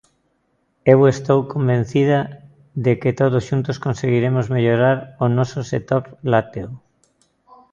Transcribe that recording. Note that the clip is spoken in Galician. Eu estou convencida de que todos xuntos conseguiremos mellorar o noso sector lácteo.